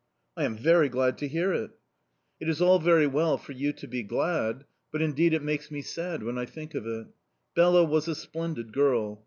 "I am very glad to hear it." "It is all very well for you to be glad, but, indeed, it makes me sad when I think of it. Bela was a splendid girl.